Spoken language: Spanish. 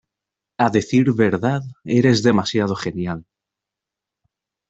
A decir verdad, eres demasiado genial.